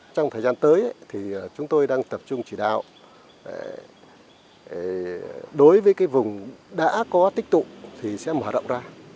trong thời gian tới thì chúng tôi đang tập trung chỉ đạo đối với cái vùng đã có tích tụ thì sẽ mở rộng ra